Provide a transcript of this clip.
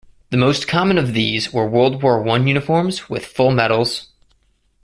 The most common of these were World War One uniforms with full medals.